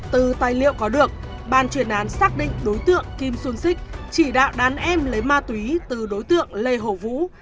từ tài liệu có được ban chuyên án xác định đối tượng kim xuân xích chỉ đạo đàn em lấy ma túy từ đối tượng lê hồ vũ